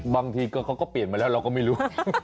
บางทีเขาก็เปลี่ยนมาแล้วเราก็ไม่รู้